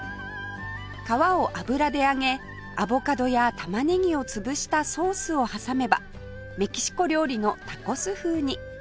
皮を油で揚げアボカドやタマネギを潰したソースを挟めばメキシコ料理のタコス風に